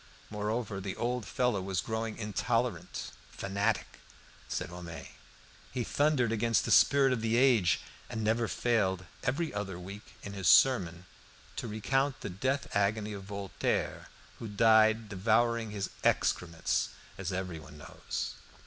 Moreover, the old fellow was growing intolerant, fanatic, said Homais. He thundered against the spirit of the age, and never failed, every other week, in his sermon, to recount the death agony of Voltaire, who died devouring his excrements, as everyone knows.